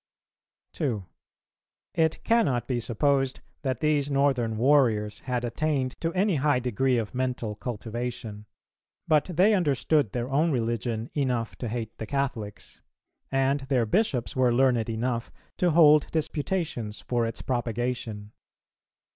2. It cannot be supposed that these northern warriors had attained to any high degree of mental cultivation; but they understood their own religion enough to hate the Catholics, and their bishops were learned enough to hold disputations for its propagation.